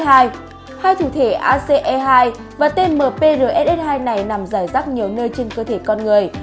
hai thụ thể ace hai và tmprss hai này nằm rải rắc nhiều nơi trên cơ thể con người